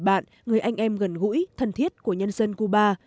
chủ tịch này là những người bạn người anh em gần gũi thân thiết của nhân dân cuba